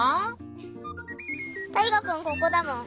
たいがくんここだもん。